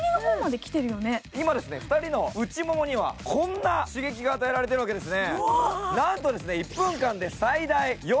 今、２人の内ももにはこんな刺激が与えられてるわけですね。